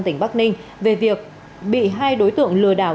tỉnh bắc ninh về việc bị hai đối tượng lừa đảo